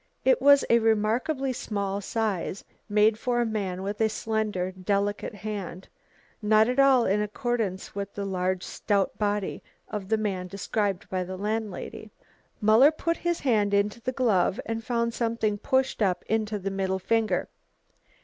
It was a remarkably small size, made for a man with a slender, delicate hand, not at all in accordance with the large stout body of the man described by the landlady. Muller put his hand into the glove and found something pushed up into the middle finger.